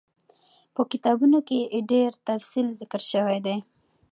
په کتابونو کي ئي ډير تفصيل ذکر شوی دی